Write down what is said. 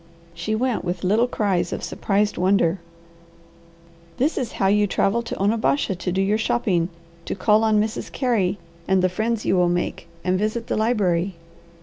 She went with little cries of surprised wonder. "This is how you travel to Onabasha to do your shopping, to call on Mrs. Carey and the friends you will make, and visit the library.